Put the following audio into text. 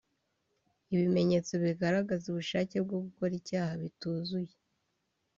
ibimenyetso bigaragaza ubushake bwo gukora icyaha bituzuye